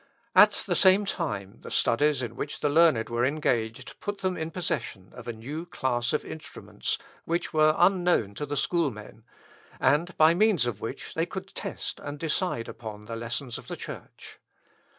At the same time, the studies in which the learned were engaged put them in possession of a new class of instruments, which were unknown to the schoolmen, and by means of which they could test and decide upon the lessons of the Church.